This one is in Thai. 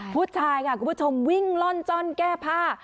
ผู้ชายค่ะคุณผู้ชมวิ่งล่อนจ้อนแก้ผ้า